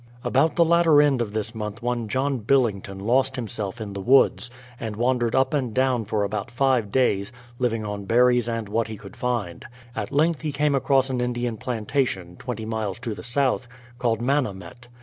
About the latter end of this month one John Billington THE PLYMOUTH SETTLEMENT 87 lost himself in the woods, and wandered up and down for about five days, living on berries and what he could find. At length he came across an Indian plantation, twenty miles to the south, called Manamet.